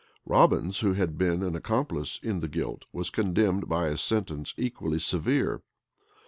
Robins, who had been an accomplice in the guilt, was condemned by a sentence equally severe.